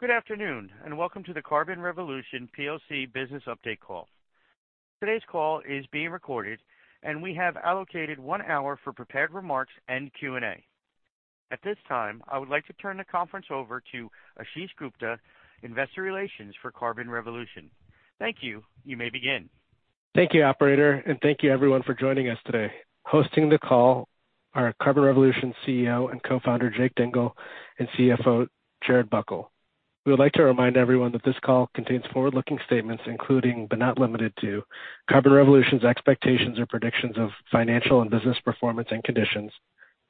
Good afternoon, and welcome to the Carbon Revolution PLC Business Update Call. Today's call is being recorded, and we have allocated one hour for prepared remarks and Q&A. At this time, I would like to turn the conference over to Ashish Gupta, Investor Relations for Carbon Revolution. Thank you. You may begin. Thank you, operator, and thank you everyone for joining us today. Hosting the call are Carbon Revolution CEO and Co-founder, Jake Dingle, and CFO, Gerard Buckle. We would like to remind everyone that this call contains forward-looking statements, including but not limited to, Carbon Revolution's expectations or predictions of financial and business performance and conditions,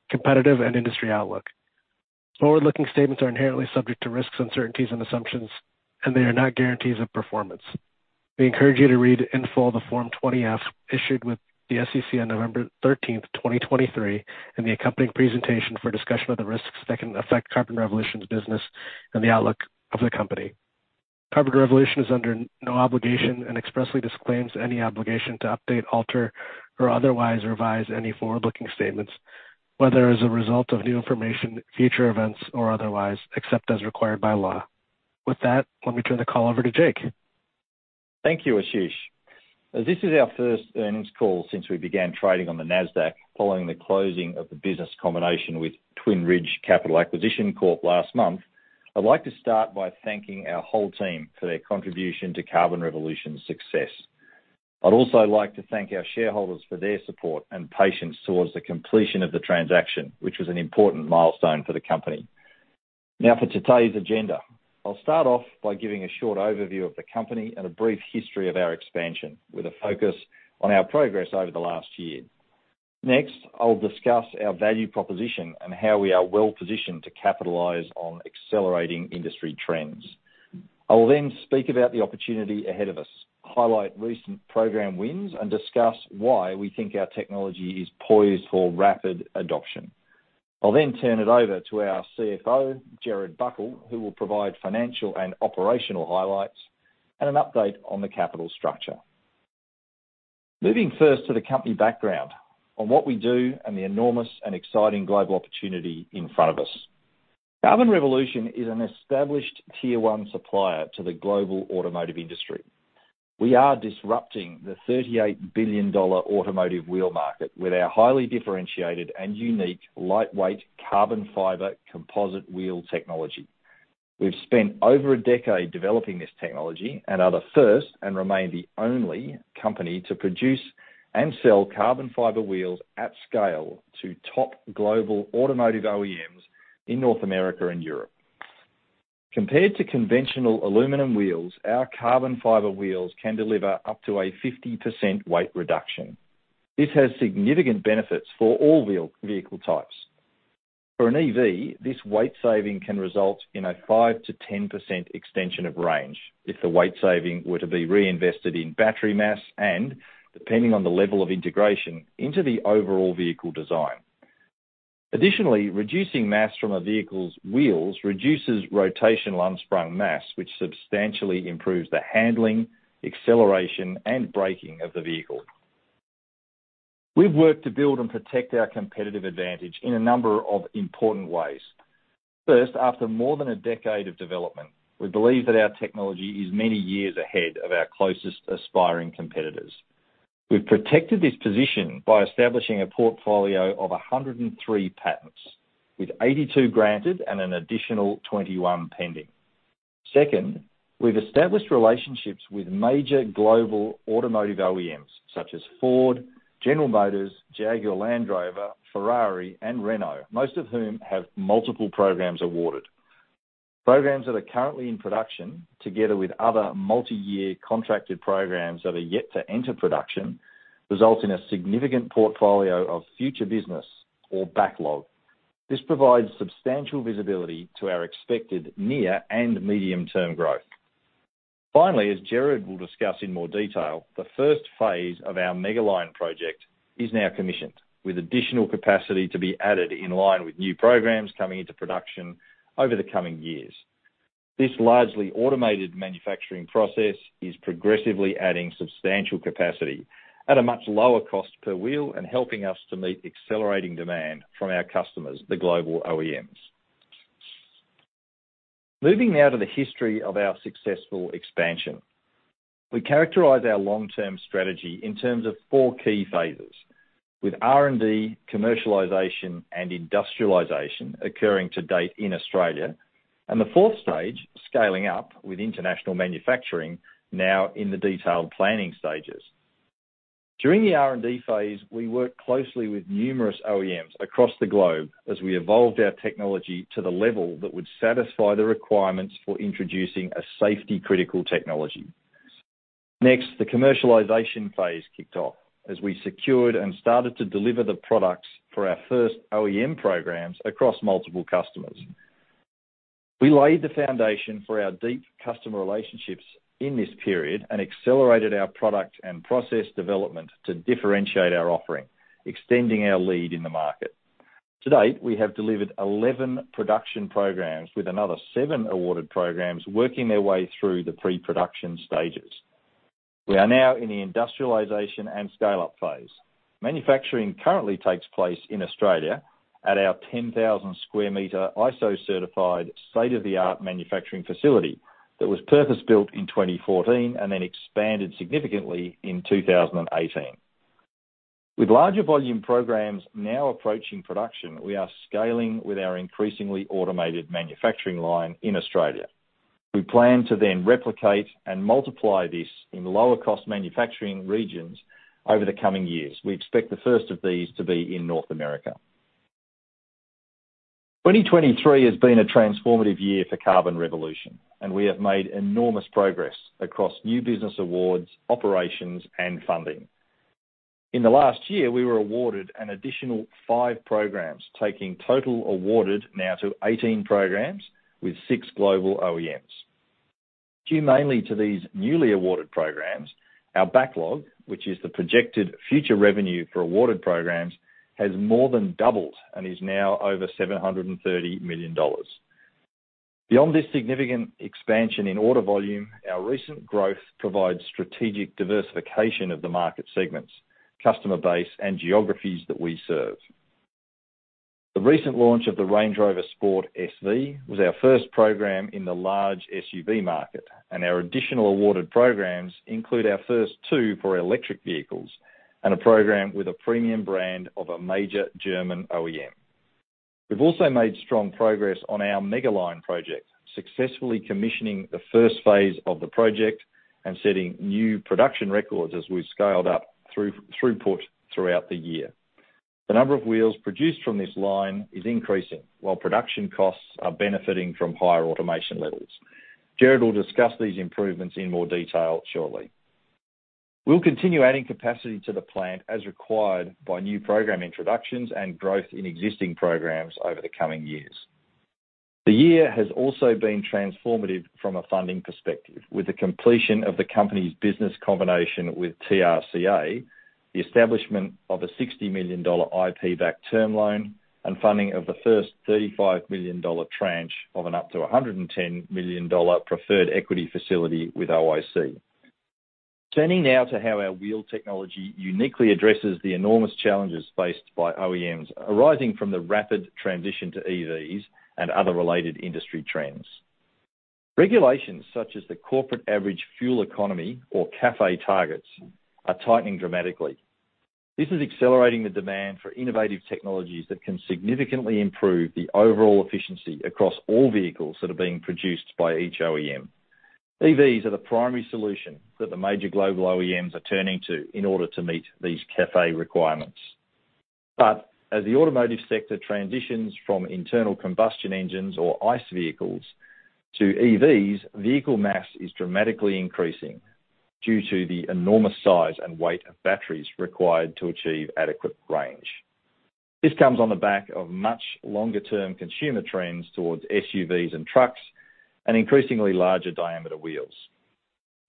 competitive and industry outlook. Forward-looking statements are inherently subject to risks, uncertainties, and assumptions, and they are not guarantees of performance. We encourage you to read in full the Form 20-F issued with the SEC on November 13th, 2023, and the accompanying presentation for a discussion of the risks that can affect Carbon Revolution's business and the outlook of the company. Carbon Revolution is under no obligation and expressly disclaims any obligation to update, alter, or otherwise revise any forward-looking statements, whether as a result of new information, future events, or otherwise, except as required by law. With that, let me turn the call over to Jake. Thank you, Ashish. As this is our first earnings call since we began trading on the Nasdaq, following the closing of the business combination with Twin Ridge Capital Acquisition Corp last month, I'd like to start by thanking our whole team for their contribution to Carbon Revolution's success. I'd also like to thank our shareholders for their support and patience towards the completion of the transaction, which was an important milestone for the company. Now, for today's agenda. I'll start off by giving a short overview of the company and a brief history of our expansion, with a focus on our progress over the last year. Next, I'll discuss our value proposition and how we are well positioned to capitalize on accelerating industry trends. I will then speak about the opportunity ahead of us, highlight recent program wins, and discuss why we think our technology is poised for rapid adoption. I'll then turn it over to our CFO, Gerard Buckle, who will provide financial and operational highlights and an update on the capital structure. Moving first to the company background on what we do and the enormous and exciting global opportunity in front of us. Carbon Revolution is an established Tier 1 supplier to the global automotive industry. We are disrupting the $38 billion automotive wheel market with our highly differentiated and unique lightweight carbon fiber composite wheel technology. We've spent over a decade developing this technology and are the first, and remain the only, company to produce and sell carbon fiber wheels at scale to top global automotive OEMs in North America and Europe. Compared to conventional aluminum wheels, our carbon fiber wheels can deliver up to a 50% weight reduction. This has significant benefits for all vehicle types. For an EV, this weight saving can result in a 5%-10% extension of range if the weight saving were to be reinvested in battery mass and, depending on the level of integration into the overall vehicle design. Additionally, reducing mass from a vehicle's wheels reduces rotational unsprung mass which substantially improves the handling, acceleration, and braking of the vehicle. We've worked to build and protect our competitive advantage in a number of important ways. First, after more than a decade of development, we believe that our technology is many years ahead of our closest aspiring competitors. We've protected this position by establishing a portfolio of 103 patents, with 82 granted and an additional 21 pending. Second, we've established relationships with major global automotive OEMs such as Ford, General Motors, Jaguar Land Rover, Ferrari, and Renault, most of whom have multiple programs awarded. Programs that are currently in production, together with other multiyear contracted programs that are yet to enter production, result in a significant portfolio of future business or backlog. This provides substantial visibility to our expected near- and medium-term growth. Finally, as Gerard will discuss in more detail, the first phase of our Mega-line project is now commissioned, with additional capacity to be added in line with new programs coming into production over the coming years. This largely automated manufacturing process is progressively adding substantial capacity at a much lower cost per wheel and helping us to meet accelerating demand from our customers, the global OEMs. Moving now to the history of our successful expansion. We characterize our long-term strategy in terms of four key phases, with R&D, commercialization, and industrialization occurring to date in Australia, and the fourth stage, scaling up with international manufacturing, now in the detailed planning stages. During the R&D phase, we worked closely with numerous OEMs across the globe as we evolved our technology to the level that would satisfy the requirements for introducing a safety-critical technology. Next, the commercialization phase kicked off as we secured and started to deliver the products for our first OEM programs across multiple customers. We laid the foundation for our deep customer relationships in this period and accelerated our product and process development to differentiate our offering, extending our lead in the market. To date, we have delivered 11 production programs, with another seven awarded programs working their way through the pre-production stages. We are now in the industrialization and scale-up phase. Manufacturing currently takes place in Australia at our 10,000 sq m, ISO-certified, state-of-the-art manufacturing facility that was purpose-built in 2014 and then expanded significantly in 2018. With larger volume programs now approaching production, we are scaling with our increasingly automated manufacturing line in Australia. We plan to then replicate and multiply this in lower-cost manufacturing regions over the coming years. We expect the first of these to be in North America. 2023 has been a transformative year for Carbon Revolution, and we have made enormous progress across new business awards, operations, and funding. In the last year, we were awarded an additional five programs, taking total awarded now to 18 programs with six global OEMs. Due mainly to these newly awarded programs, our backlog, which is the projected future revenue for awarded programs, has more than doubled and is now over $730 million. Beyond this significant expansion in order volume, our recent growth provides strategic diversification of the market segments, customer base, and geographies that we serve. The recent launch of the Range Rover Sport SV was our first program in the large SUV market, and our additional awarded programs include our first two for electric vehicles and a program with a premium brand of a major German OEM. We've also made strong progress on our Mega-line project, successfully commissioning the first phase of the project and setting new production records as we've scaled up throughput throughout the year. The number of wheels produced from this line is increasing, while production costs are benefiting from higher automation levels. Gerard will discuss these improvements in more detail shortly. We'll continue adding capacity to the plant as required by new program introductions and growth in existing programs over the coming years. The year has also been transformative from a funding perspective, with the completion of the company's business combination with TRCA, the establishment of a $60 million IP-backed term loan, and funding of the first $35 million tranche of an up to a $110 million preferred equity facility with OIC. Turning now to how our wheel technology uniquely addresses the enormous challenges faced by OEMs, arising from the rapid transition to EVs and other related industry trends. Regulations such as the Corporate Average Fuel Economy, or CAFE targets, are tightening dramatically. This is accelerating the demand for innovative technologies that can significantly improve the overall efficiency across all vehicles that are being produced by each OEM. EVs are the primary solution that the major global OEMs are turning to in order to meet these CAFE requirements. But as the automotive sector transitions from Internal Combustion Engines or ICE vehicles to EVs, vehicle mass is dramatically increasing due to the enormous size and weight of batteries required to achieve adequate range. This comes on the back of much longer-term consumer trends towards SUVs and trucks and increasingly larger diameter wheels.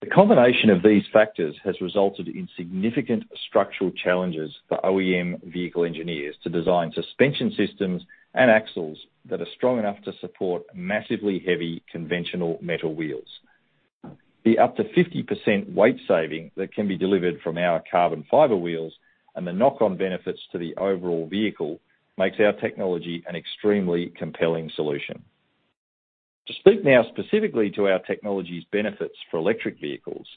The combination of these factors has resulted in significant structural challenges for OEM vehicle engineers to design suspension systems and axles that are strong enough to support massively heavy, conventional metal wheels. The up to 50% weight saving that can be delivered from our carbon fiber wheels, and the knock-on benefits to the overall vehicle, makes our technology an extremely compelling solution. To speak now specifically to our technology's benefits for electric vehicles,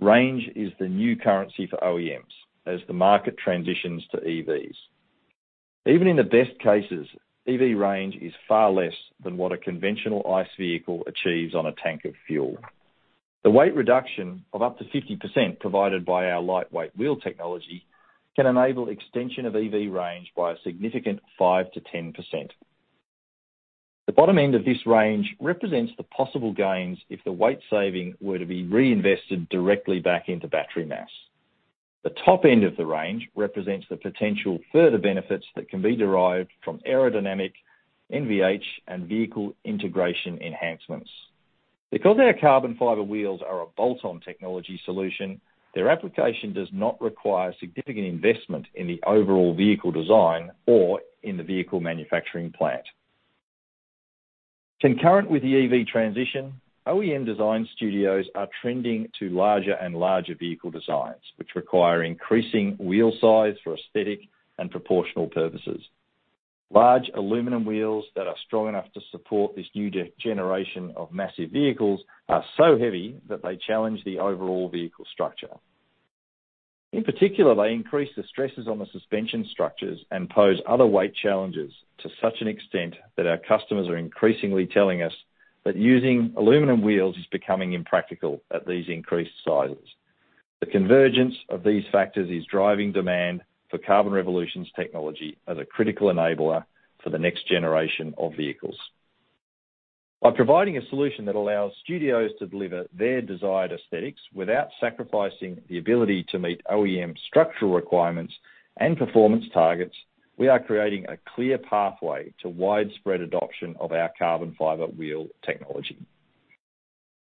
range is the new currency for OEMs as the market transitions to EVs. Even in the best cases, EV range is far less than what a conventional ICE vehicle achieves on a tank of fuel. The weight reduction of up to 50% provided by our lightweight wheel technology can enable extension of EV range by a significant 5%-10%. The bottom end of this range represents the possible gains if the weight saving were to be reinvested directly back into battery mass. The top end of the range represents the potential further benefits that can be derived from aerodynamic, NVH, and vehicle integration enhancements. Because our carbon fiber wheels are a bolt-on technology solution, their application does not require significant investment in the overall vehicle design or in the vehicle manufacturing plant. Concurrent with the EV transition, OEM design studios are trending to larger and larger vehicle designs, which require increasing wheel size for aesthetic and proportional purposes. Large aluminum wheels that are strong enough to support this new generation of massive vehicles are so heavy that they challenge the overall vehicle structure. In particular, they increase the stresses on the suspension structures and pose other weight challenges to such an extent that our customers are increasingly telling us that using aluminum wheels is becoming impractical at these increased sizes. The convergence of these factors is driving demand for Carbon Revolution's technology as a critical enabler for the next generation of vehicles. By providing a solution that allows studios to deliver their desired aesthetics without sacrificing the ability to meet OEM structural requirements and performance targets, we are creating a clear pathway to widespread adoption of our carbon fiber wheel technology.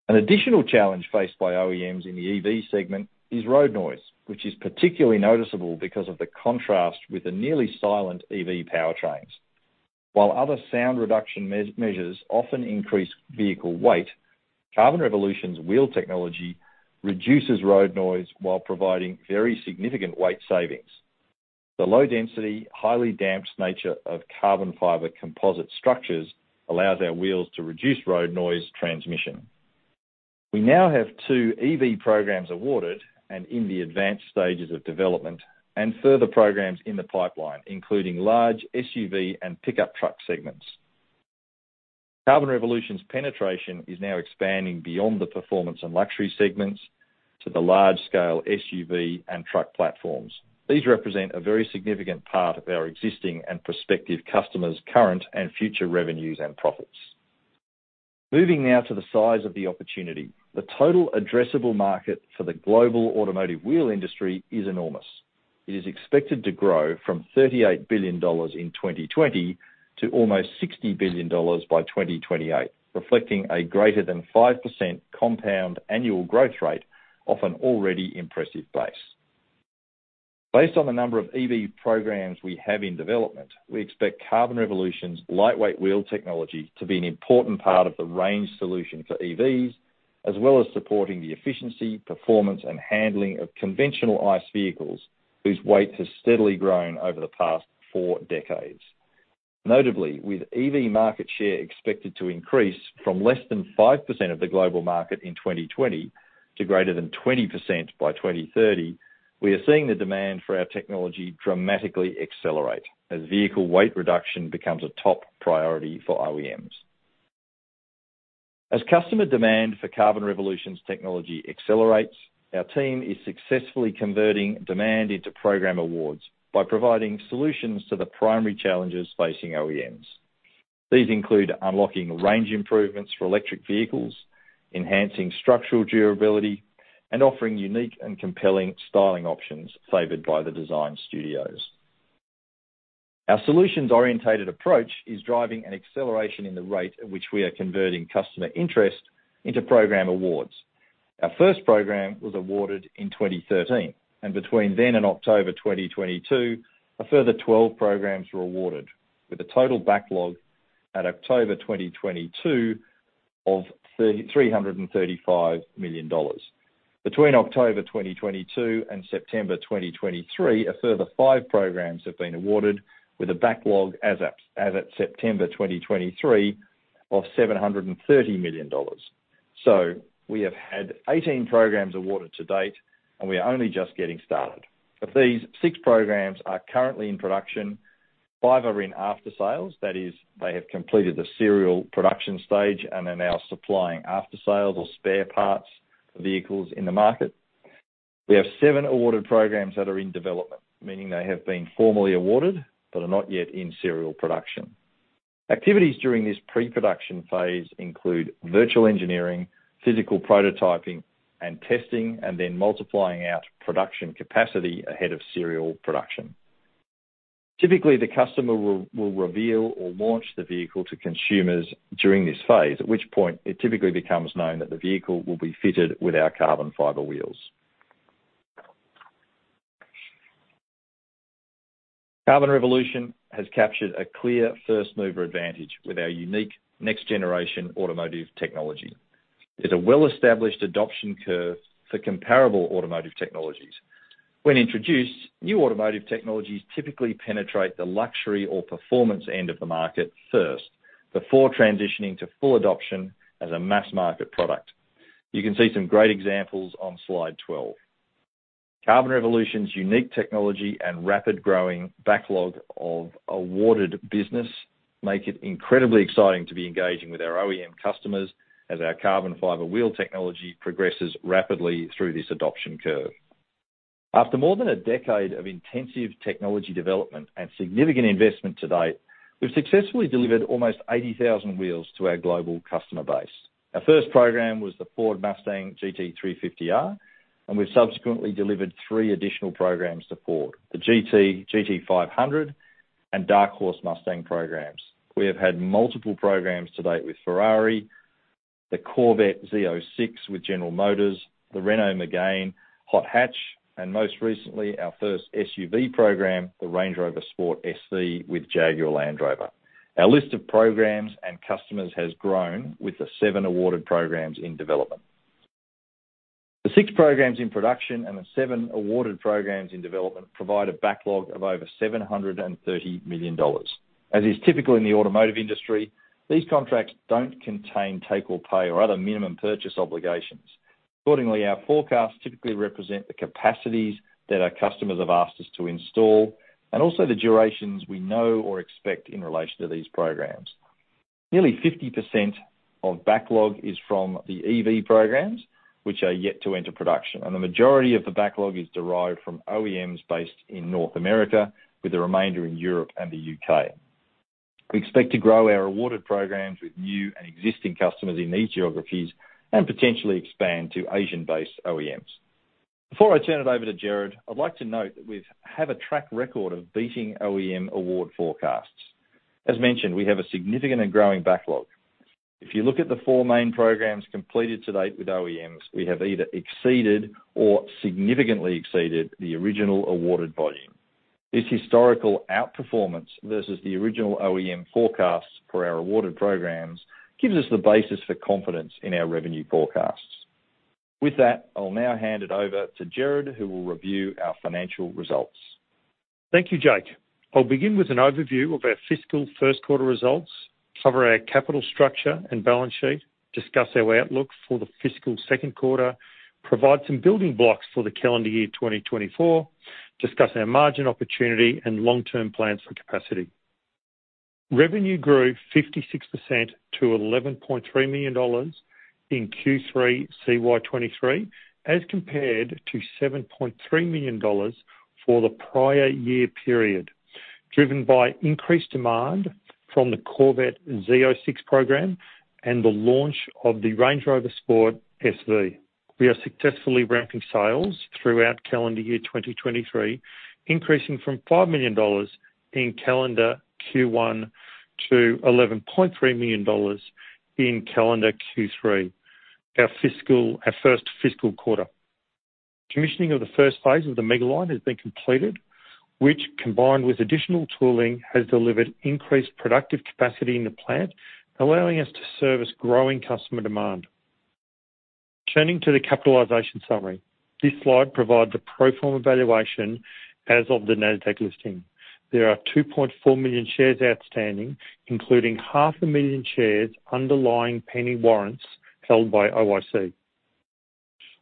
An additional challenge faced by OEMs in the EV segment is road noise, which is particularly noticeable because of the contrast with the nearly silent EV powertrains. While other sound reduction measures often increase vehicle weight, Carbon Revolution's wheel technology reduces road noise while providing very significant weight savings. The low density, highly damped nature of carbon fiber composite structures allows our wheels to reduce road noise transmission. We now have two EV programs awarded and in the advanced stages of development, and further programs in the pipeline, including large SUV and pickup truck segments. Carbon Revolution's penetration is now expanding beyond the performance and luxury segments to the large-scale SUV and truck platforms. These represent a very significant part of our existing and prospective customers' current and future revenues and profits. Moving now to the size of the opportunity. The total addressable market for the global automotive wheel industry is enormous. It is expected to grow from $38 billion in 2020 to almost $60 billion by 2028, reflecting a greater than 5% compound annual growth rate off an already impressive base. Based on the number of EV programs we have in development, we expect Carbon Revolution's lightweight wheel technology to be an important part of the range solution for EVs, as well as supporting the efficiency, performance, and handling of conventional ICE vehicles, whose weight has steadily grown over the past four decades. Notably, with EV market share expected to increase from less than 5% of the global market in 2020 to greater than 20% by 2030, we are seeing the demand for our technology dramatically accelerate as vehicle weight reduction becomes a top priority for OEMs. As customer demand for Carbon Revolution's technology accelerates, our team is successfully converting demand into program awards by providing solutions to the primary challenges facing OEMs. These include unlocking range improvements for electric vehicles, enhancing structural durability, and offering unique and compelling styling options favored by the design studios. Our solutions-orientated approach is driving an acceleration in the rate at which we are converting customer interest into program awards. Our first program was awarded in 2013, and between then and October 2022, a further 12 programs were awarded, with a total backlog at October 2022 of $335 million. Between October 2022 and September 2023, a further five programs have been awarded, with a backlog as at September 2023 of $730 million. So we have had 18 programs awarded to date, and we are only just getting started. Of these, six programs are currently in production, five are in aftersales, that is, they have completed the serial production stage and are now supplying aftersales or spare parts for vehicles in the market. We have seven awarded programs that are in development, meaning they have been formally awarded, but are not yet in serial production. Activities during this pre-production phase include virtual engineering, physical prototyping, and testing, and then multiplying out production capacity ahead of serial production. Typically, the customer will reveal or launch the vehicle to consumers during this phase, at which point it typically becomes known that the vehicle will be fitted with our carbon fiber wheels. Carbon Revolution has captured a clear first-mover advantage with our unique next-generation automotive technology. It's a well-established adoption curve for comparable automotive technologies. When introduced, new automotive technologies typically penetrate the luxury or performance end of the market first, before transitioning to full adoption as a mass-market product. You can see some great examples on slide 12. Carbon Revolution's unique technology and rapid growing backlog of awarded business make it incredibly exciting to be engaging with our OEM customers as our carbon fiber wheel technology progresses rapidly through this adoption curve. After more than a decade of intensive technology development and significant investment to date, we've successfully delivered almost 80,000 wheels to our global customer base. Our first program was the Ford Mustang GT350R, and we've subsequently delivered three additional programs to Ford, the GT, GT500 and Dark Horse Mustang programs. We have had multiple programs to date with Ferrari, the Corvette Z06 with General Motors, the Renault Megane hot hatch, and most recently, our first SUV program, the Range Rover Sport SV with Jaguar Land Rover. Our list of programs and customers has grown with the seven awarded programs in development. The six programs in production and the seven awarded programs in development provide a backlog of over $730 million. As is typical in the automotive industry, these contracts don't contain take-or-pay or other minimum purchase obligations. Accordingly, our forecasts typically represent the capacities that our customers have asked us to install, and also the durations we know or expect in relation to these programs. Nearly 50% of backlog is from the EV programs, which are yet to enter production, and the majority of the backlog is derived from OEMs based in North America, with the remainder in Europe and the U.K. We expect to grow our awarded programs with new and existing customers in these geographies and potentially expand to Asian-based OEMs. Before I turn it over to Gerard, I'd like to note that we've a track record of beating OEM award forecasts. As mentioned, we have a significant and growing backlog. If you look at the four main programs completed to date with OEMs, we have either exceeded or significantly exceeded the original awarded volume. This historical outperformance versus the original OEM forecasts for our awarded programs gives us the basis for confidence in our revenue forecasts. With that, I'll now hand it over to Gerard, who will review our financial results. Thank you, Jake. I'll begin with an overview of our fiscal first quarter results, cover our capital structure and balance sheet, discuss our outlook for the fiscal second quarter, provide some building blocks for the calendar year 2024, discuss our margin opportunity and long-term plans for capacity. Revenue grew 56% to $11.3 million in Q3 CY 2023, as compared to $7.3 million for the prior year period, driven by increased demand from the Corvette Z06 program and the launch of the Range Rover Sport SV. We are successfully ramping sales throughout calendar year 2023, increasing from $5 million in calendar Q1 to $11.3 million in calendar Q3. Our first fiscal quarter. Commissioning of the first phase of the Mega-line has been completed, which combined with additional tooling, has delivered increased productive capacity in the plant, allowing us to service growing customer demand. Turning to the capitalization summary. This slide provides a pro forma valuation as of the Nasdaq listing. There are 2.4 million shares outstanding, including 500,000 shares underlying penny warrants held by OIC.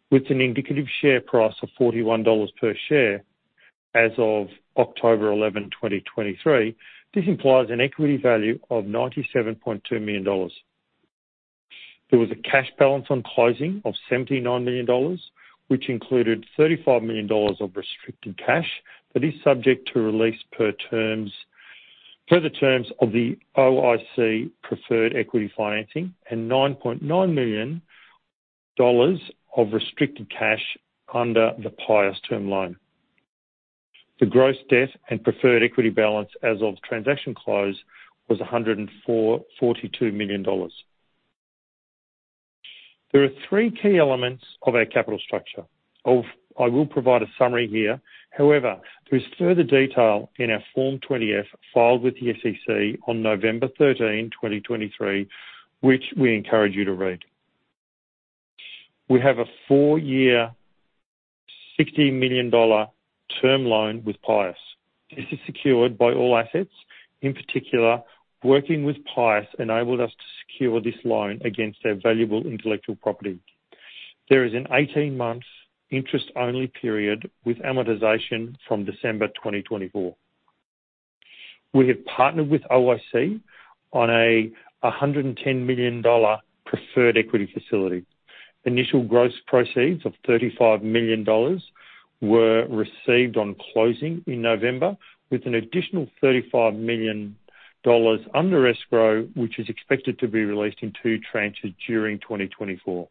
With an indicative share price of $41 per share as of October 11, 2023, this implies an equity value of $97.2 million. There was a cash balance on closing of $79 million, which included $35 million of restricted cash, but is subject to release per terms, further terms of the OIC preferred equity financing and $9.9 million of restricted cash under the PIUS term loan. The gross debt and preferred equity balance as of transaction close was $142 million. There are three key elements of our capital structure of, I will provide a summary here. However, there is further detail in our Form 20-F, filed with the SEC on November 13, 2023, which we encourage you to read. We have a four-year, $60 million term loan with PIUS. This is secured by all assets. In particular, working with PIUS enabled us to secure this loan against our valuable intellectual property. There is an 18-month interest-only period with amortization from December 2024. We have partnered with OIC on a $110 million preferred equity facility. Initial gross proceeds of $35 million were received on closing in November, with an additional $35 million under escrow, which is expected to be released in two tranches during 2024.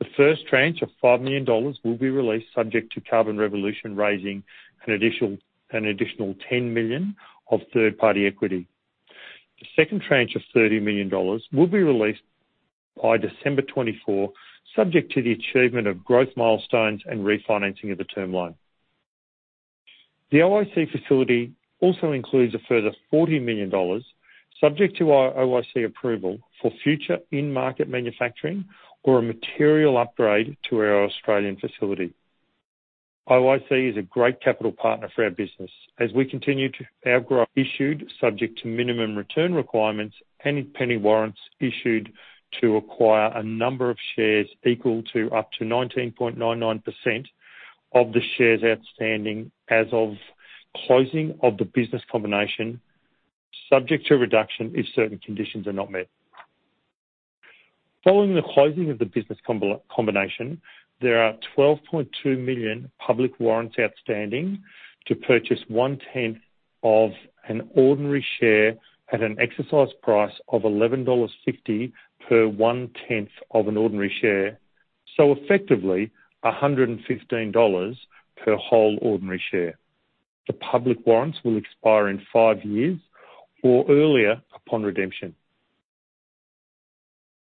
The first tranche of $5 million will be released subject to Carbon Revolution raising an additional $10 million of third-party equity. The second tranche of $30 million will be released by December 2024, subject to the achievement of growth milestones and refinancing of the term loan. The OIC facility also includes a further $40 million, subject to our OIC approval for future in-market manufacturing or a material upgrade to our Australian facility. OIC is a great capital partner for our business as we continue to outgrow. Issued subject to minimum return requirements and penny warrants issued to acquire a number of shares equal to up to 19.99% of the shares outstanding as of closing of the business combination, subject to reduction if certain conditions are not met. Following the closing of the business combination, there are 12.2 million public warrants outstanding to purchase 1/10 of an ordinary share at an exercise price of $11.50 per 1/10 of an ordinary share. So effectively, $115 per whole ordinary share. The public warrants will expire in five years or earlier upon redemption.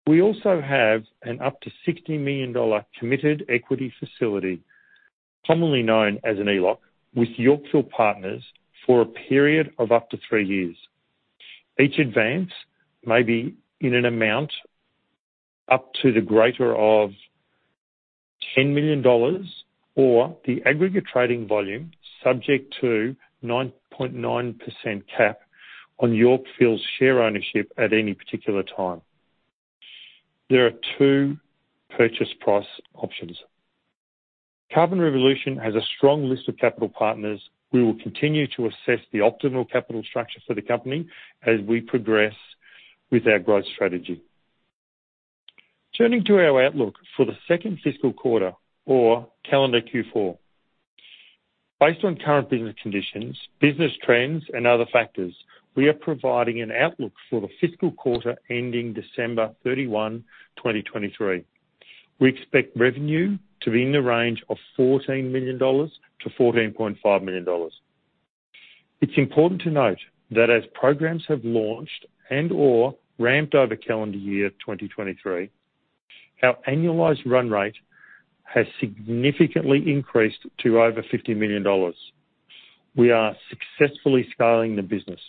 We also have an up to $60 million committed equity facility, commonly known as an ELOC, with Yorkville Partners, for a period of up to three years. Each advance may be in an amount up to the greater of $10 million or the aggregate trading volume, subject to 9.9% cap on Yorkville's share ownership at any particular time. There are two purchase price options. Carbon Revolution has a strong list of capital partners. We will continue to assess the optimal capital structure for the company as we progress with our growth strategy. Turning to our outlook for the second fiscal quarter or calendar Q4. Based on current business conditions, business trends, and other factors, we are providing an outlook for the fiscal quarter ending December 31, 2023. We expect revenue to be in the range of $14 million-$14.5 million. It's important to note that as programs have launched and/or ramped over calendar year 2023, our annualized run rate has significantly increased to over $50 million. We are successfully scaling the business.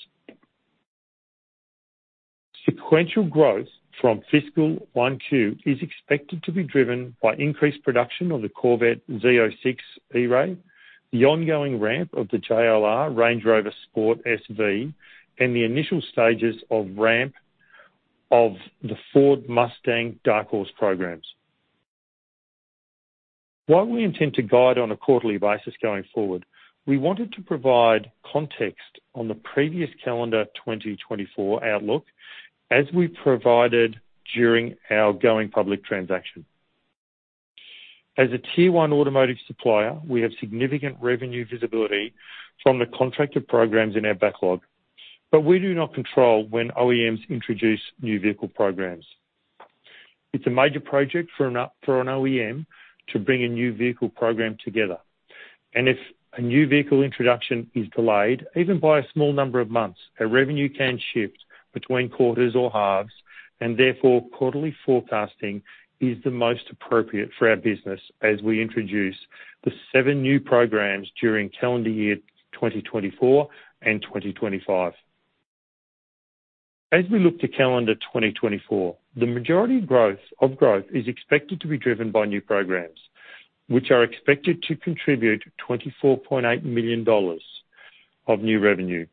Sequential growth from fiscal 1Q is expected to be driven by increased production on the Corvette Z06/E-Ray, the ongoing ramp of the JLR Range Rover Sport SV, and the initial stages of ramp of the Ford Mustang Dark Horse programs. While we intend to guide on a quarterly basis going forward, we wanted to provide context on the previous calendar 2024 outlook, as we provided during our going public transaction. As a Tier 1 automotive supplier, we have significant revenue visibility from the contracted programs in our backlog, but we do not control when OEMs introduce new vehicle programs. It's a major project for an OEM to bring a new vehicle program together, and if a new vehicle introduction is delayed, even by a small number of months, our revenue can shift between quarters or halves, and therefore, quarterly forecasting is the most appropriate for our business as we introduce the seven new programs during calendar year 2024 and 2025. As we look to calendar 2024, the majority growth, of growth is expected to be driven by new programs, which are expected to contribute $24.8 million of new revenue.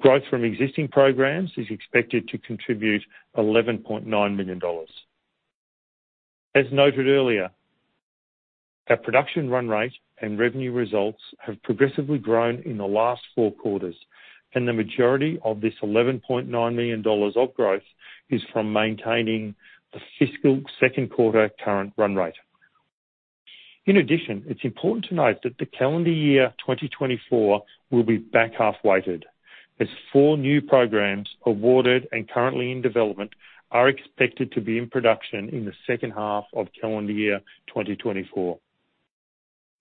Growth from existing programs is expected to contribute $11.9 million. As noted earlier, our production run rate and revenue results have progressively grown in the last four quarters, and the majority of this $11.9 million of growth is from maintaining the fiscal second quarter current run rate. In addition, it's important to note that the calendar year 2024 will be back half weighted, as four new programs awarded and currently in development are expected to be in production in the second half of calendar year 2024.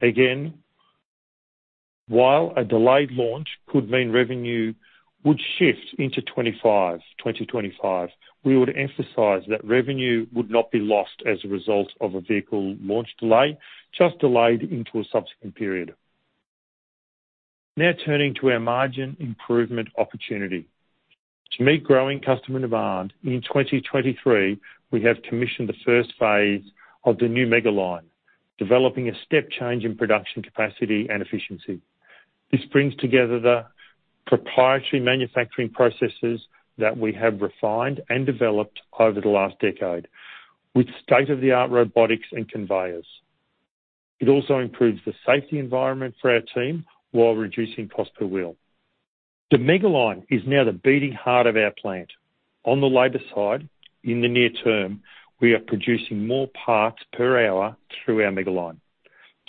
Again, while a delayed launch could mean revenue would shift into 2025, we would emphasize that revenue would not be lost as a result of a vehicle launch delay, just delayed into a subsequent period. Now, turning to our margin improvement opportunity. To meet growing customer demand in 2023, we have commissioned the first phase of the new Mega-line, developing a step change in production capacity and efficiency. This brings together the proprietary manufacturing processes that we have refined and developed over the last decade with state-of-the-art robotics and conveyors. It also improves the safety environment for our team while reducing cost per wheel. The Mega-line is now the beating heart of our plant. On the labor side, in the near term, we are producing more parts per hour through our Mega-line.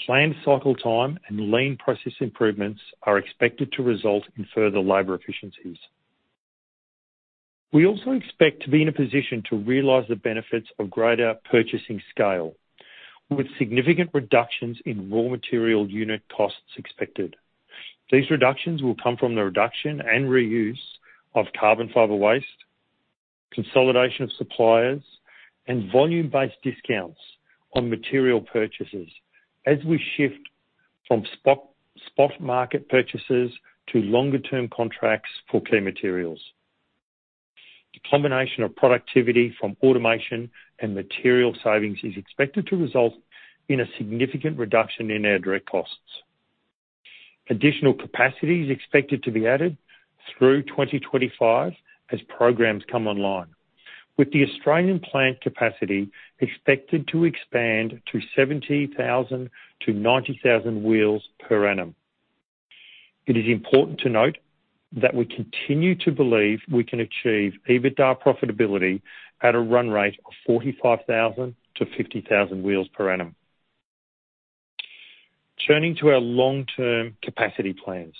Planned cycle time and lean process improvements are expected to result in further labor efficiencies. We also expect to be in a position to realize the benefits of greater purchasing scale, with significant reductions in raw material unit costs expected. These reductions will come from the reduction and reuse of carbon fiber waste, consolidation of suppliers, and volume-based discounts on material purchases as we shift from spot, spot market purchases to longer-term contracts for key materials. The combination of productivity from automation and material savings is expected to result in a significant reduction in our direct costs. Additional capacity is expected to be added through 2025 as programs come online, with the Australian plant capacity expected to expand to 70,000 wheels-90,000 wheels per annum. It is important to note that we continue to believe we can achieve EBITDA profitability at a run rate of 45,000 wheels-50,000 wheels per annum. Turning to our long-term capacity plans.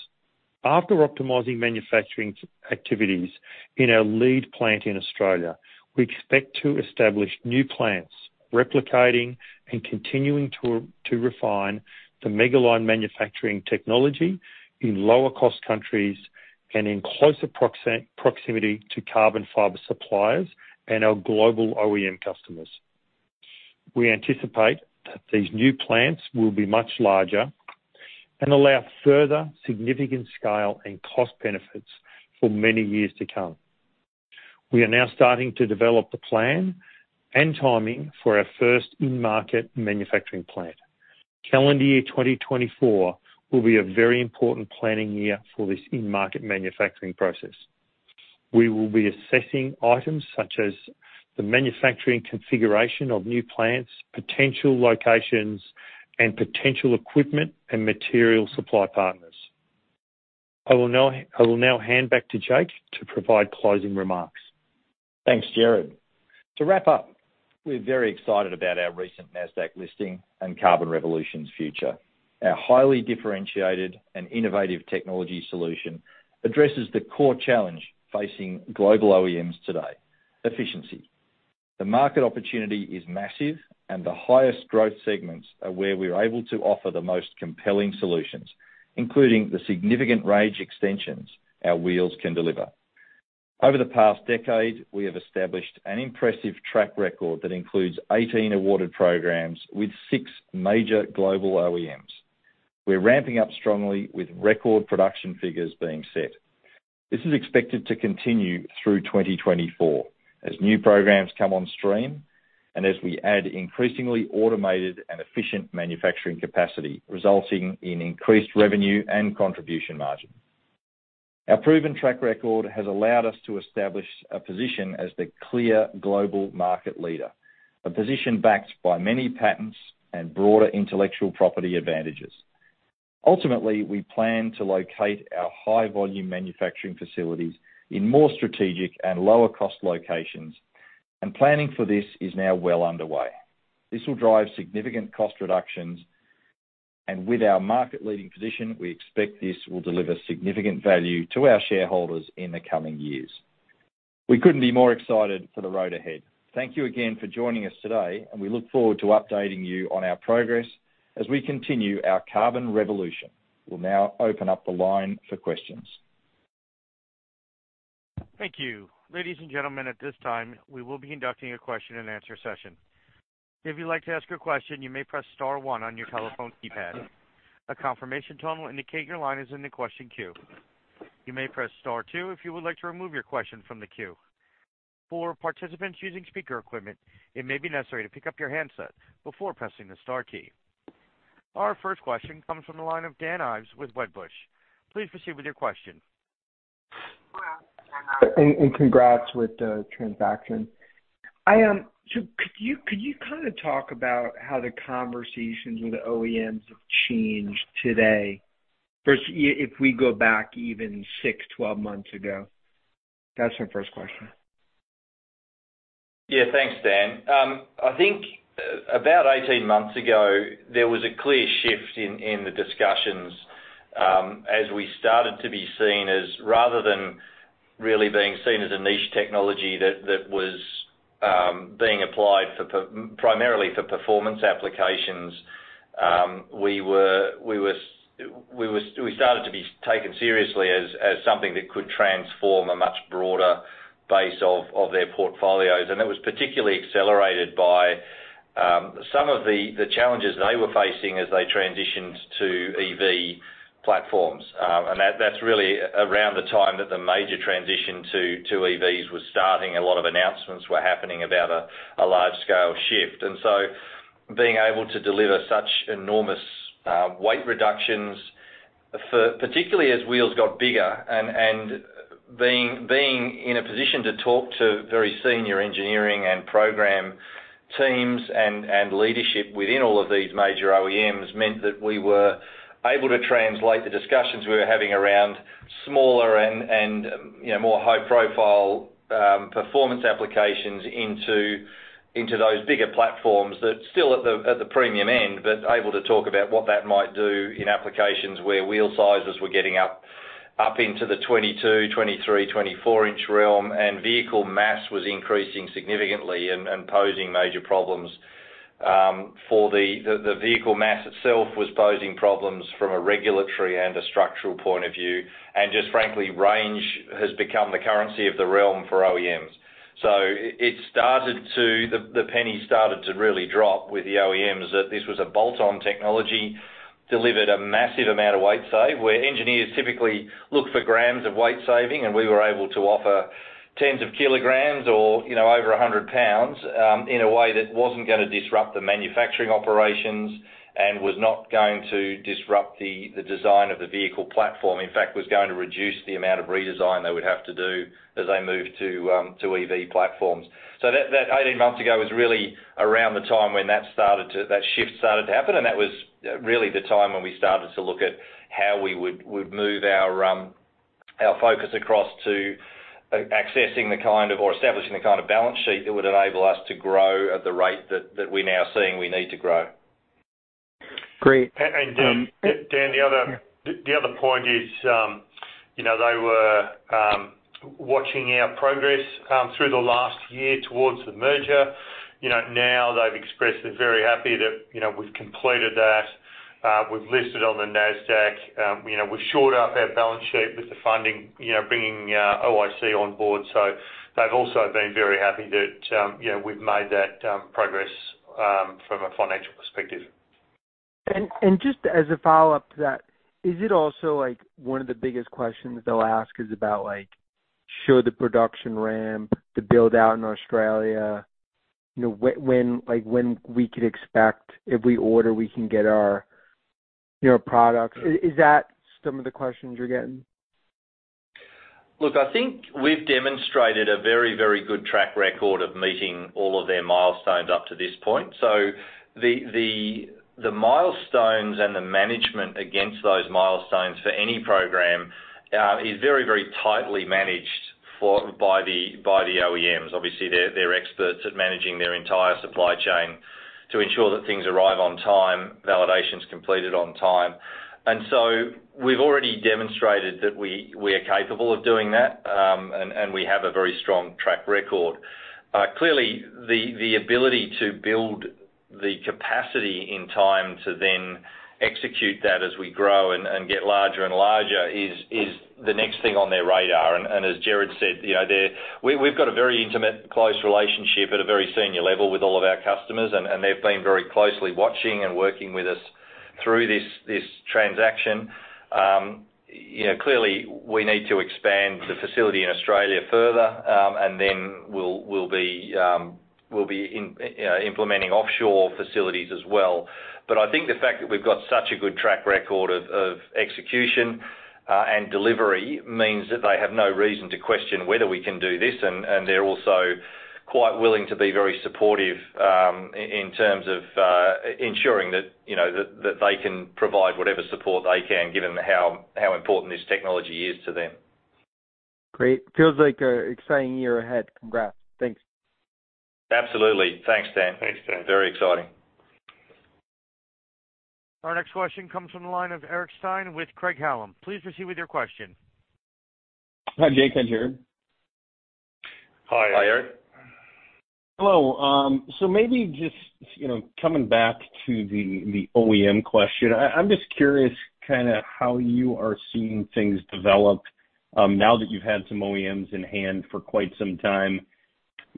After optimizing manufacturing activities in our lead plant in Australia, we expect to establish new plants, replicating and continuing to refine the Mega-line manufacturing technology in lower-cost countries and in closer proximity to carbon fiber suppliers and our global OEM customers. We anticipate that these new plants will be much larger and allow further significant scale and cost benefits for many years to come. We are now starting to develop the plan and timing for our first in-market manufacturing plant. Calendar year 2024 will be a very important planning year for this in-market manufacturing process. We will be assessing items such as the manufacturing configuration of new plants, potential locations, and potential equipment and material supply partners. I will now hand back to Jake to provide closing remarks. Thanks, Gerard. To wrap up, we're very excited about our recent Nasdaq listing and Carbon Revolution's future. Our highly differentiated and innovative technology solution addresses the core challenge facing global OEMs today: efficiency. The market opportunity is massive. The highest growth segments are where we're able to offer the most compelling solutions, including the significant range extensions our wheels can deliver. Over the past decade, we have established an impressive track record that includes 18 awarded programs with six major global OEMs. We're ramping up strongly with record production figures being set. This is expected to continue through 2024 as new programs come on stream and as we add increasingly automated and efficient manufacturing capacity, resulting in increased revenue and contribution margin. Our proven track record has allowed us to establish a position as the clear global market leader, a position backed by many patents and broader intellectual property advantages. Ultimately, we plan to locate our high-volume manufacturing facilities in more strategic and lower-cost locations, and planning for this is now well underway. This will drive significant cost reductions, and with our market-leading position, we expect this will deliver significant value to our shareholders in the coming years. We couldn't be more excited for the road ahead. Thank you again for joining us today, and we look forward to updating you on our progress as we continue our Carbon Revolution. We'll now open up the line for questions. Thank you. Ladies and gentlemen, at this time, we will be conducting a question-and-answer session. If you'd like to ask a question, you may press star one on your telephone keypad. A confirmation tone will indicate your line is in the question queue. You may press star two if you would like to remove your question from the queue. For participants using speaker equipment, it may be necessary to pick up your handset before pressing the star key. Our first question comes from the line of Dan Ives with Wedbush. Please proceed with your question. Congrats with the transaction. So, could you kind of talk about how the conversations with the OEMs have changed today versus a year if we go back even six months, 12 months ago? That's my first question. Yeah, thanks, Dan. I think about 18 months ago, there was a clear shift in the discussions as we started to be seen as, rather than really being seen as a niche technology that was being applied primarily for performance applications, we started to be taken seriously as something that could transform a much broader base of their portfolios. That was particularly accelerated by some of the challenges they were facing as they transitioned to EV platforms. And that's really around the time that the major transition to EVs was starting. A lot of announcements were happening about a large-scale shift. So being able to deliver such enormous weight reductions, for particularly as wheels got bigger and being in a position to talk to very senior engineering and program teams and leadership within all of these major OEMs, meant that we were able to translate the discussions we were having around smaller and you know more high-profile performance applications into those bigger platforms that still at the premium end. But able to talk about what that might do in applications where wheel sizes were getting up into the 22-inch, 23-inch, 24-inch realm, and vehicle mass was increasing significantly and posing major problems. For the vehicle mass itself was posing problems from a regulatory and a structural point of view. Just frankly, range has become the currency of the realm for OEMs. The penny started to really drop with the OEMs, that this was a bolt-on technology, delivered a massive amount of weight save. Where engineers typically look for grams of weight saving, and we were able to offer tens of kilograms or, you know, over 100 pounds, in a way that wasn't gonna disrupt the manufacturing operations and was not going to disrupt the design of the vehicle platform. In fact, was going to reduce the amount of redesign they would have to do as they moved to EV platforms. So, that 18 months ago was really around the time when that shift started to happen. And that was really the time when we started to look at how we would move our focus across to accessing the kind of, or establishing the kind of balance sheet that would enable us to grow at the rate that we're now seeing we need to grow. Great. And, Dan, the other point is, you know, they were watching our progress through the last year towards the merger. You know, now they've expressed they're very happy that, you know, we've completed that. We've listed on the Nasdaq. You know, we've shored up our balance sheet with the funding, you know, bringing OIC on board. So they've also been very happy that, you know, we've made that progress from a financial perspective. And just as a follow-up to that, is it also, like, one of the biggest questions they'll ask is about, like, show the production ramp, the build-out in Australia, you know, when, like, when we could expect, if we order, we can get our, you know, products? Is that some of the questions you're getting? Look, I think we've demonstrated a very, very good track record of meeting all of their milestones up to this point. So the milestones and the management against those milestones for any program is very, very tightly managed by the OEMs. Obviously, they're experts at managing their entire supply chain to ensure that things arrive on time, validation's completed on time. And so we've already demonstrated that we are capable of doing that, and we have a very strong track record. Clearly, the ability to build the capacity in time to then execute that as we grow and get larger and larger is the next thing on their radar. As Gerard said, you know, we’ve got a very intimate, close relationship at a very senior level with all of our customers. And they’ve been very closely watching and working with us through this transaction. You know, clearly, we need to expand the facility in Australia further, and then we’ll be implementing offshore facilities as well. But I think the fact that we’ve got such a good track record of execution and delivery means that they have no reason to question whether we can do this. They’re also quite willing to be very supportive, in terms of ensuring that, you know, that they can provide whatever support they can, given how important this technology is to them. Great. Feels like an exciting year ahead. Congrats. Thanks. Absolutely. Thanks, Dan. Thanks, Dan. Very exciting. Our next question comes from the line of Eric Stine with Craig-Hallum. Please proceed with your question. Hi, Jake and Gerard. Hi, Eric. Hi, Eric. Hello. So maybe just, you know, coming back to the OEM question. I, I'm just curious, kind of how you are seeing things develop, now that you've had some OEMs in hand for quite some time.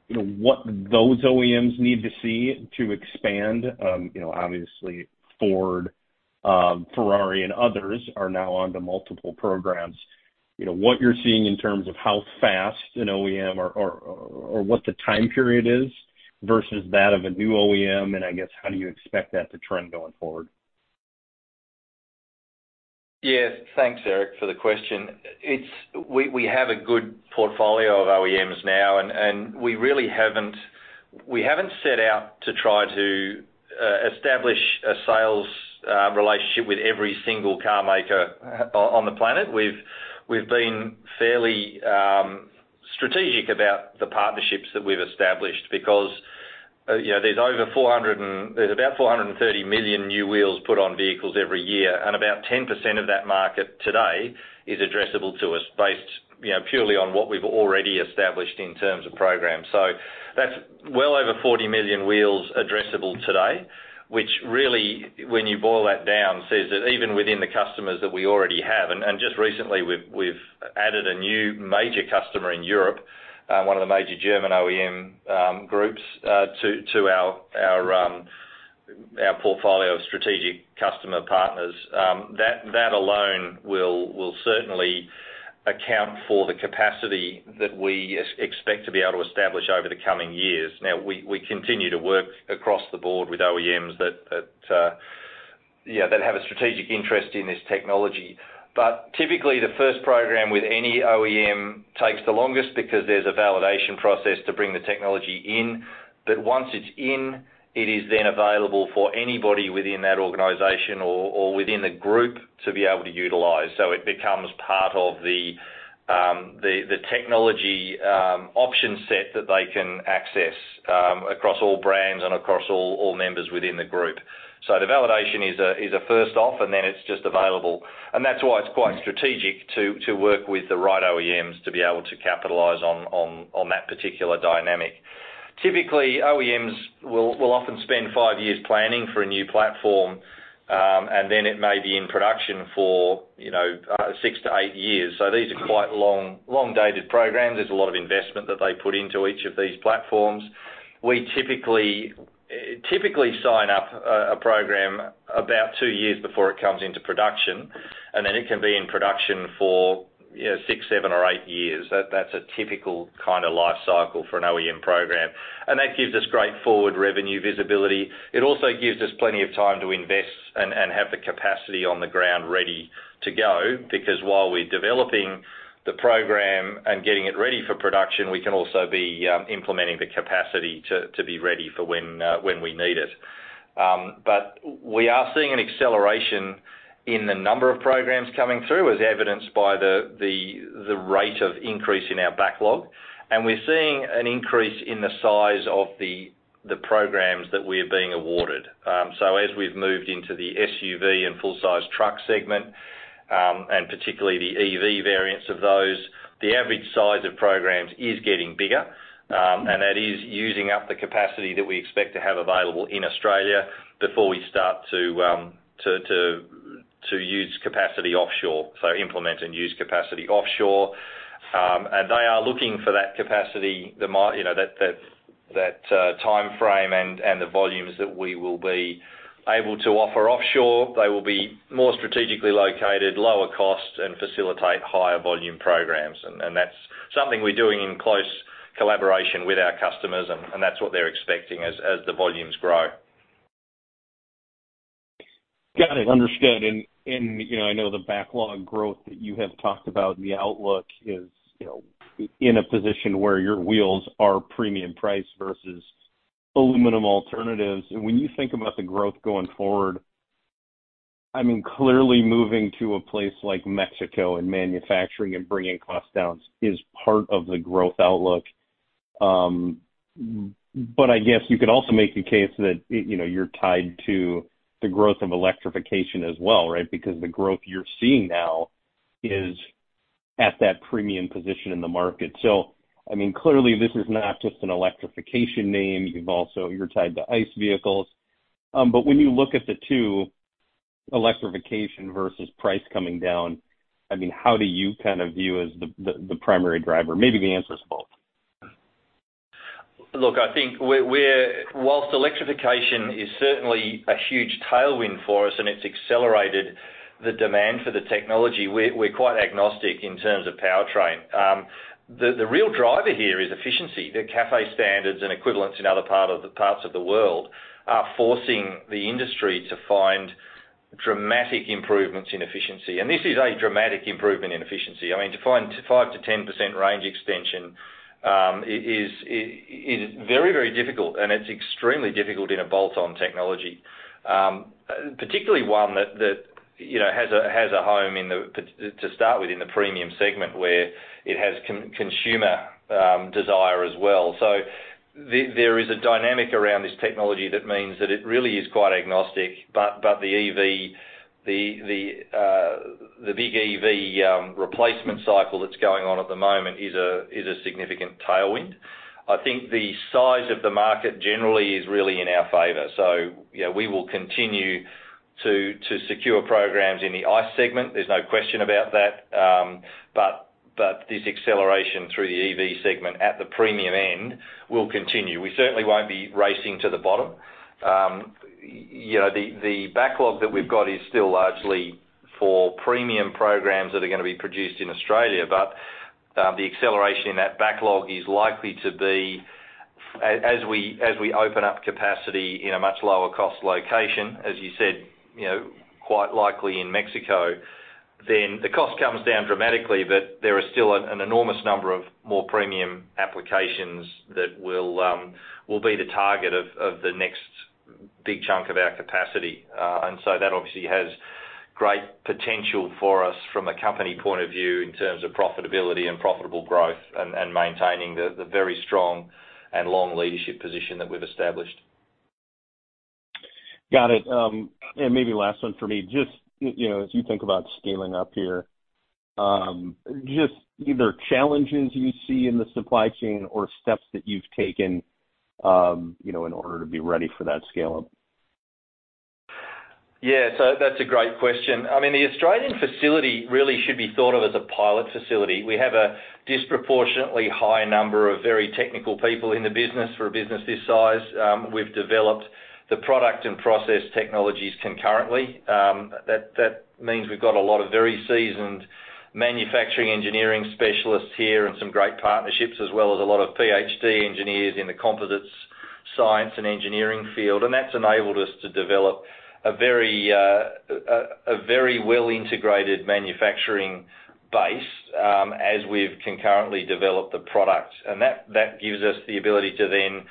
You know, what those OEMs need to see to expand, you know, obviously, Ford, Ferrari, and others are now onto multiple programs. You know, what you're seeing in terms of how fast an OEM or what the time period is, versus that of a new OEM, and I guess, how do you expect that to trend going forward? Yes, thanks Eric for the question. We have a good portfolio of OEMs now, and we really haven't set out to try to establish a sales relationship with every single carmaker on the planet. We've been fairly strategic about the partnerships that we've established because, you know, there's about 430 million new wheels put on vehicles every year, and about 10% of that market today is addressable to us based, you know, purely on what we've already established in terms of programs. So that's well over 40 million wheels addressable today, which really, when you boil that down, says that even within the customers that we already have, and just recently, we've added a new major customer in Europe, one of the major German OEM groups, to our portfolio of strategic customer partners. That alone will certainly account for the capacity that we expect to be able to establish over the coming years. Now, we continue to work across the board with OEMs that have a strategic interest in this technology. But typically, the first program with any OEM takes the longest because there's a validation process to bring the technology in. But once it's in, it is then available for anybody within that organization or within the group to be able to utilize. So it becomes part of the technology option set that they can access across all brands and across all members within the group. So the validation is a first off, and then it's just available. And that's why it's quite strategic to work with the right OEMs to be able to capitalize on that particular dynamic. Typically, OEMs will often spend five years planning for a new platform, and then it may be in production for, you know, six to eight years. So these are quite long-dated programs. There's a lot of investment that they put into each of these platforms. We tyically sign up a program about two years before it comes into production, and then it can be in production for, you know, six, seven, or eight years. That's a typical kind of life cycle for an OEM program. That gives us great forward revenue visibility. It also gives us plenty of time to invest and have the capacity on the ground ready to go, because while we're developing the program and getting it ready for production, we can also be implementing the capacity to be ready for when we need it. But we are seeing an acceleration in the number of programs coming through, as evidenced by the rate of increase in our backlog, and we're seeing an increase in the size of the programs that we're being awarded. So as we've moved into the SUV and full-size truck segment. Particularly the EV variants of those, the average size of programs is getting bigger, and that is using up the capacity that we expect to have available in Australia before we start to use capacity offshore, so implement and use capacity offshore. And they are looking for that capacity, you know, that time frame and the volumes that we will be able to offer offshore. They will be more strategically located, lower cost, and facilitate higher volume programs. And that's something we're doing in close collaboration with our customers, and that's what they're expecting as the volumes grow. Got it. Understood. And you know, I know the backlog growth that you have talked about. The outlook is, you know, in a position where your wheels are premium price versus aluminum alternatives. And when you think about the growth going forward, I mean, clearly moving to a place like Mexico and manufacturing and bringing costs down is part of the growth outlook. But I guess you could also make the case that you know, you're tied to the growth of electrification as well, right? Because the growth you're seeing now is at that premium position in the market. So I mean, clearly this is not just an electrification name. You've also—you're tied to ICE vehicles. But when you look at the two, electrification versus price coming down, I mean, how do you kind of view as the primary driver? Maybe the answer is both. Look, I think we're whilst electrification is certainly a huge tailwind for us, and it's accelerated the demand for the technology. We're quite agnostic in terms of powertrain. The real driver here is efficiency. The CAFE standards and equivalents in other parts of the world are forcing the industry to find dramatic improvements in efficiency. And this is a dramatic improvement in efficiency. I mean, to find 5%-10% range extension is very, very difficult, and it's extremely difficult in a bolt-on technology. Particularly one that, you know, has a home in the, to start with in the premium segment where it has consumer desire as well. So there is a dynamic around this technology that means that it really is quite agnostic. But the EV, the big EV replacement cycle that's going on at the moment is a significant tailwind. I think the size of the market generally is really in our favor. So you know, we will continue to secure programs in the ICE segment. There's no question about that. But this acceleration through the EV segment at the premium end will continue. We certainly won't be racing to the bottom. You know, the backlog that we've got is still largely for premium programs that are gonna be produced in Australia, but the acceleration in that backlog is likely to be... As we, as we open up capacity in a much lower cost location, as you said, you know, quite likely in Mexico. Then the cost comes down dramatically, but there is still an, an enormous number of more premium applications that will, will be the target of, of the next big chunk of our capacity. And so that obviously has great potential for us from a company point of view, in terms of profitability and profitable growth, and, and maintaining the, the very strong and long leadership position that we've established. Got it. And maybe last one for me. Just, you know, as you think about scaling up here, just are there challenges you see in the supply chain or steps that you've taken, you know, in order to be ready for that scale-up? Yeah, so that's a great question. I mean, the Australian facility really should be thought of as a pilot facility. We have a disproportionately high number of very technical people in the business for a business this size. We've developed the product and process technologies concurrently. That means we've got a lot of very seasoned manufacturing engineering specialists here and some great partnerships, as well as a lot of PhD engineers in the composites, science, and engineering field. And that's enabled us to develop a very well-integrated manufacturing base, as we've concurrently developed the product. And that gives us the ability to then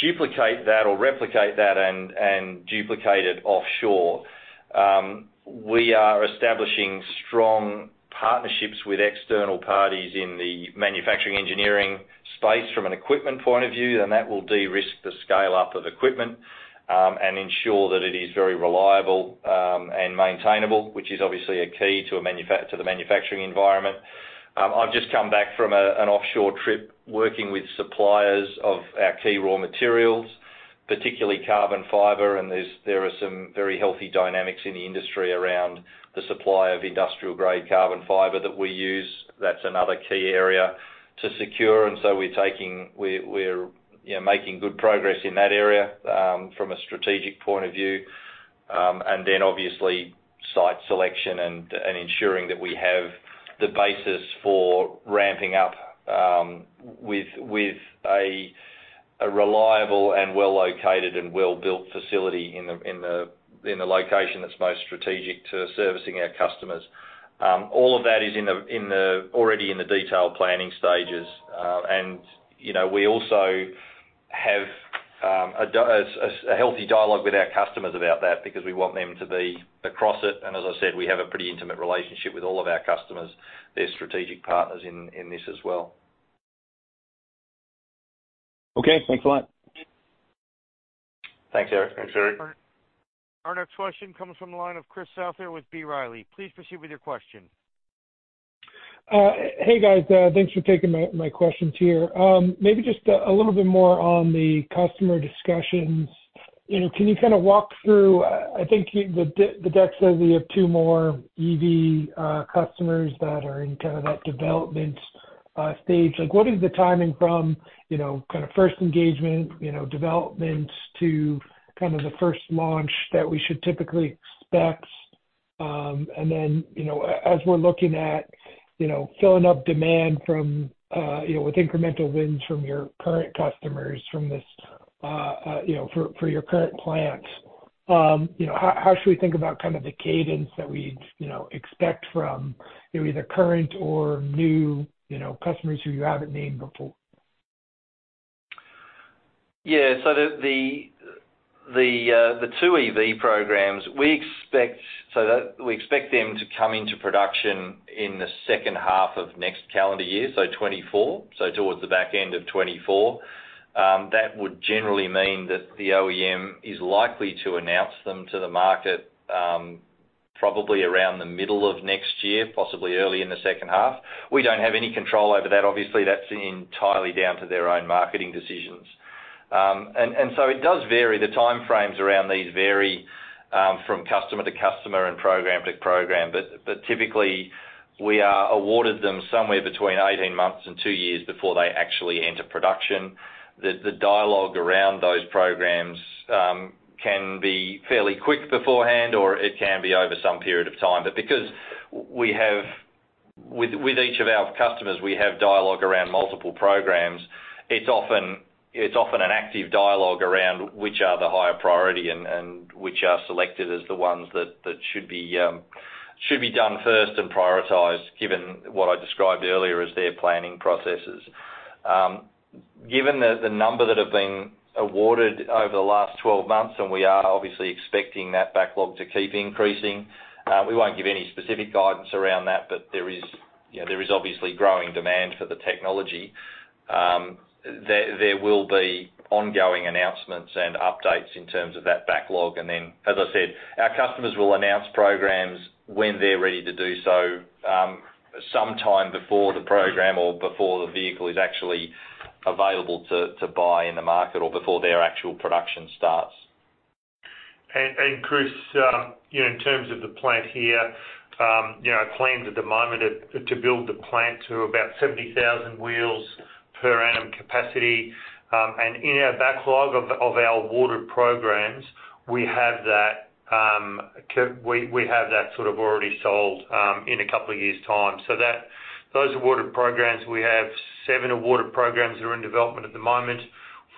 duplicate that or replicate that and duplicate it offshore. We are establishing strong partnerships with external parties in the manufacturing engineering space from an equipment point of view, and that will de-risk the scale-up of equipment, and ensure that it is very reliable, and maintainable, which is obviously a key to the manufacturing environment. I've just come back from an offshore trip, working with suppliers of our key raw materials, particularly carbon fiber, and there are some very healthy dynamics in the industry around the supply of industrial-grade carbon fiber that we use. That's another key area to secure. So we're, you know, making good progress in that area from a strategic point of view. Then, obviously, site selection and ensuring that we have the basis for ramping up with a reliable and well-located and well-built facility in the location that's most strategic to servicing our customers. All of that is already in the detailed planning stages. You know, we also have a healthy dialogue with our customers about that because we want them to be across it. As I said, we have a pretty intimate relationship with all of our customers. They're strategic partners in this as well. Okay, thanks a lot. Thanks, Eric. Thanks, Eric. Our next question comes from the line of Chris Souther with B. Riley. Please proceed with your question. Hey, guys, thanks for taking my questions here. Maybe just a little bit more on the customer discussions. You know, can you kind of walk through... I think the deck said we have two more EV customers that are in kind of that development stage. Like, what is the timing from, you know, kind of first engagement, you know, development to kind of the first launch that we should typically expect? And then, you know, as we're looking at, you know, filling up demand from, you know, with incremental wins from your current customers from this, you know, for, for your current plans, you know, how should we think about kind of the cadence that we'd, you know, expect from either current or new, you know, customers who you haven't named before? Yeah. So the two EV programs, we expect them to come into production in the second half of next calendar year, so 2024, so towards the back end of 2024. That would generally mean that the OEM is likely to announce them to the market probably around the middle of next year, possibly early in the second half. We don't have any control over that. Obviously, that's entirely down to their own marketing decisions. And so it does vary. The time frames around these vary from customer to customer and program to program. But typically, we are awarded them somewhere between 18 months and two years before they actually enter production. The dialogue around those programs can be fairly quick beforehand, or it can be over some period of time. But because we have, with each of our customers, we have dialogue around multiple programs, it's often an active dialogue around which are the higher priority and which are selected as the ones that should be done first and prioritized, given what I described earlier as their planning processes. Given the number that have been awarded over the last 12 months, and we are obviously expecting that backlog to keep increasing, we won't give any specific guidance around that. But there is, you know, there is obviously growing demand for the technology. There will be ongoing announcements and updates in terms of that backlog. Then, as I said, our customers will announce programs when they're ready to do so. Sometime before the program or before the vehicle is actually available to buy in the market or before their actual production starts. Chris, you know, in terms of the plant here, you know, our plans at the moment is to build the plant to about 70,000 wheels per annum capacity. And in our backlog of our awarded programs, we have that, we have that sort of already sold, in a couple of years' time. So those awarded programs, we have seven awarded programs that are in development at the moment.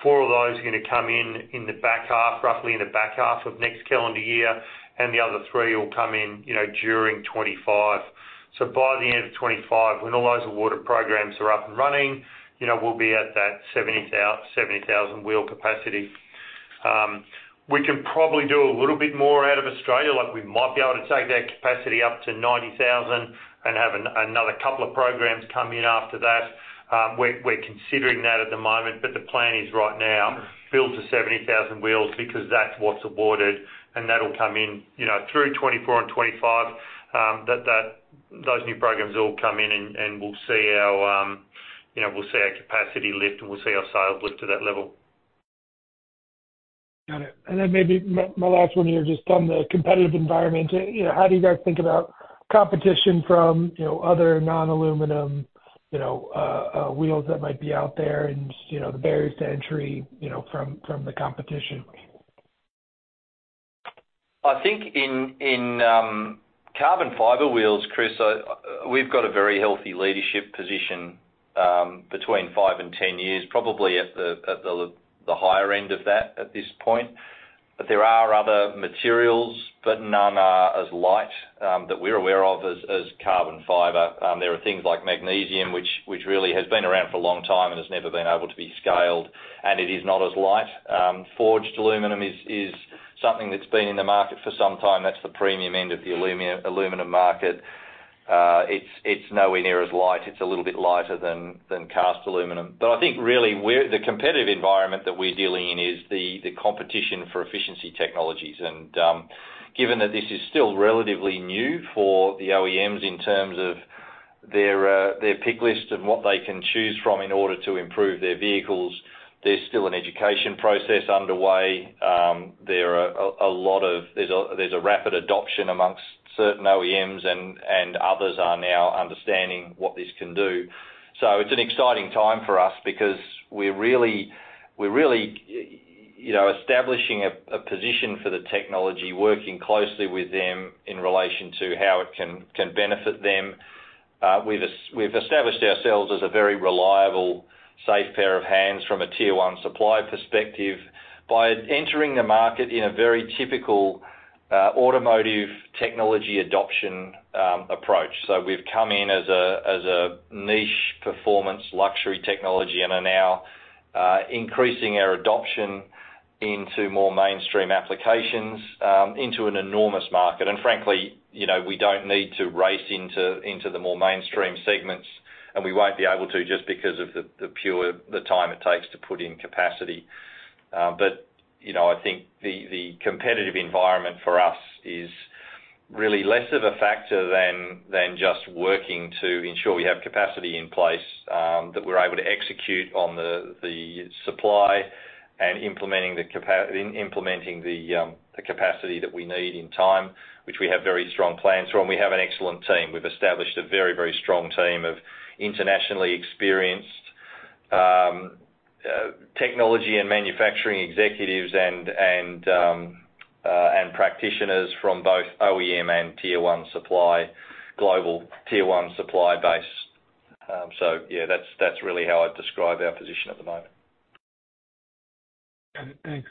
Four of those are gonna come in, in the back half, roughly in the back half of next calendar year, and the other three will come in, you know, during 2025. So by the end of 2025, when all those awarded programs are up and running, you know, we'll be at that 70,000 wheel capacity. We can probably do a little bit more out of Australia, like we might be able to take that capacity up to 90,000 wheel and have another couple of programs come in after that. We're considering that at the moment. But the plan is right now build to 70,000 wheels because that's what's awarded. And that'll come in, you know, through 2024 and 2025. Those new programs will come in and we'll see our, you know, we'll see our capacity lift, and we'll see our sales lift to that level. Got it. Then maybe my, my last one here, just on the competitive environment. You know, how do you guys think about competition from, you know, other non-aluminum, you know, wheels that might be out there and, you know, the barriers to entry, you know, from, from the competition? I think in carbon fiber wheels, Chris, we've got a very healthy leadership position between five and 10 years, probably at the higher end of that at this point. But there are other materials, but none are as light that we're aware of as carbon fiber. There are things like magnesium, which really has been around for a long time and has never been able to be scaled, and it is not as light. Forged aluminum is something that's been in the market for some time. That's the premium end of the aluminum market. It's nowhere near as light. It's a little bit lighter than cast aluminum. But I think really, we're the competitive environment that we're dealing in is the competition for efficiency technologies. Given that this is still relatively new for the OEMs in terms of their pick list and what they can choose from in order to improve their vehicles, there's still an education process underway. There is a rapid adoption among certain OEMs, and others are now understanding what this can do. So it's an exciting time for us because we're really you know establishing a position for the technology, working closely with them in relation to how it can benefit them. We've established ourselves as a very reliable, safe pair of hands from a Tier 1 supplier perspective by entering the market in a very typical automotive technology adoption approach. So we've come in as a niche performance, luxury technology and are now increasing our adoption into more mainstream applications into an enormous market. And frankly, you know, we don't need to race into the more mainstream segments, and we won't be able to just because of the pure time it takes to put in capacity. But you know, I think the competitive environment for us is really less of a factor than just working to ensure we have capacity in place that we're able to execute on the supply and implementing the capacity that we need in time, which we have very strong plans for, and we have an excellent team. We've established a very, very strong team of internationally experienced technology and manufacturing executives and practitioners from both OEM and Tier 1 supplier, global Tier 1 supplier base. So yeah, that's really how I'd describe our position at the moment. Got it. Thanks.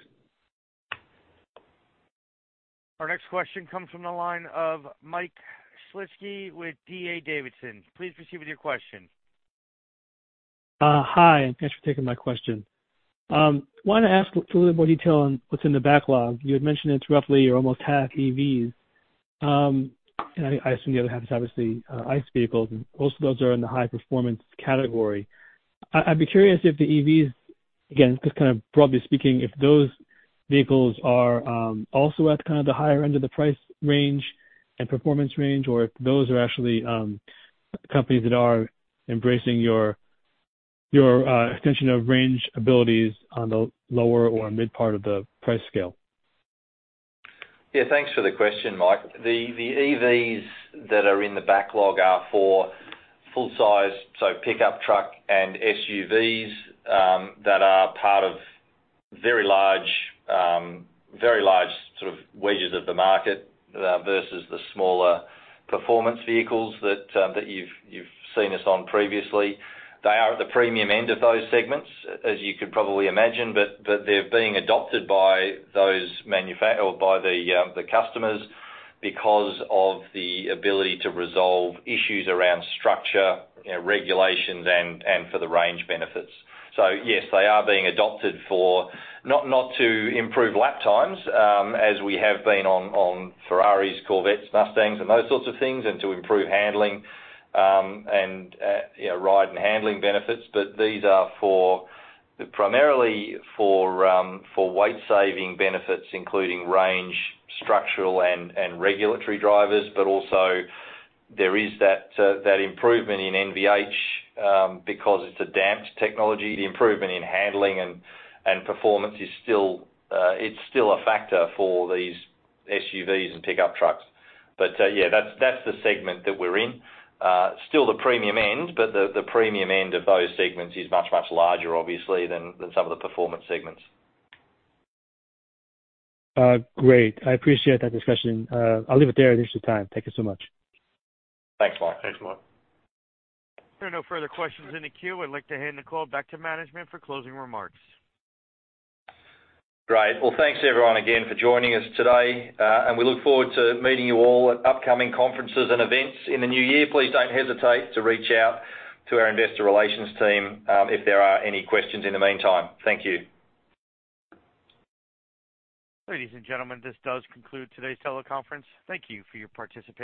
Our next question comes from the line of Mike Shlisky with D.A. Davidson. Please proceed with your question. Hi, thanks for taking my question. Wanted to ask a little bit more detail on what's in the backlog. You had mentioned it's roughly or almost half EVs, and I assume the other half is obviously ICE vehicles, and most of those are in the high-performance category. I'd be curious if the EVs, again, just kind of broadly speaking, if those vehicles are also at kind of the higher end of the price range and performance range, or if those are actually companies that are embracing your extension of range abilities on the lower or mid part of the price scale? Yeah, thanks for the question, Mike. The EVs that are in the backlog are for full-size. So pickup truck and SUVs, that are part of very large, very large sort of wedges of the market, versus the smaller performance vehicles that, that you've seen us on previously. They are at the premium end of those segments, as you could probably imagine, but they're being adopted by those manufa- or by the customers because of the ability to resolve issues around structure, you know, regulations and for the range benefits. So yes, they are being adopted for not to improve lap times, as we have been on Ferraris, Corvettes, Mustangs, and those sorts of things, and to improve handling, and you know, ride and handling benefits. But these are for, primarily for, for weight saving benefits, including range, structural, and regulatory drivers. But also there is that, that improvement in NVH, because it's a damped technology. The improvement in handling and performance is still, it's still a factor for these SUVs and pickup trucks. But, yeah, that's, that's the segment that we're in. Still the premium end, but the, the premium end of those segments is much, much larger obviously, than some of the performance segments. Great. I appreciate that discussion. I'll leave it there in the interest of time. Thank you so much. Thanks, Mike. Thanks, Mike. There are no further questions in the queue. I'd like to hand the call back to management for closing remarks. Great. Well, thanks everyone again for joining us today, and we look forward to meeting you all at upcoming conferences and events in the new year. Please don't hesitate to reach out to our Investor Relations team, if there are any questions in the meantime. Thank you. Ladies and gentlemen, this does conclude today's teleconference. Thank you for your participation.